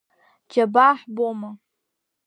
Џьабаа ҳбома?